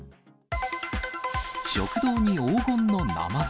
食堂に黄金のナマズ。